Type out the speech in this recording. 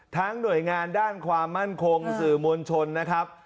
หน่วยงานด้านความมั่นคงสื่อมวลชนนะครับ